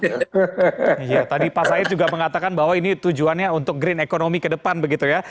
iya tadi pak said juga mengatakan bahwa ini tujuannya untuk green economy ke depan begitu ya